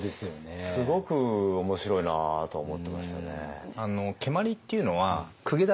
すごくおもしろいなと思ってましたね。